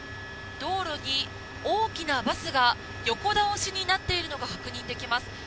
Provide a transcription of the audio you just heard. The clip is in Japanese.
道路に大きなバスが横倒しになっているのが確認できます。